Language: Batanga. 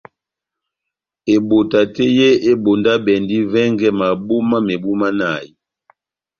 Ebota tɛ́h yé ebondabɛndi vɛngɛ mabo mámebu manahi.